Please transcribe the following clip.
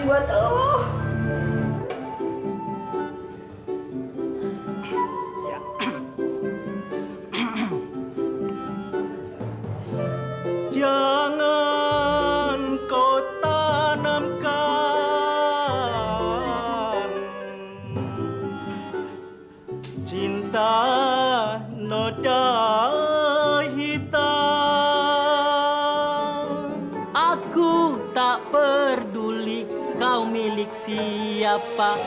kekurangan harta tiada mengapa